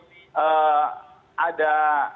ada hutang budi lah